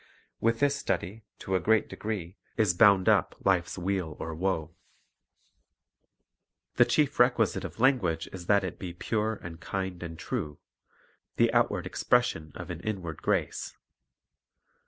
With this study, to a great degree, is bound up life's weal or woe. Methods of Teaching 235 The chief requisite of language is that it be pure and kind and true, — "the outward expression of an inward grace."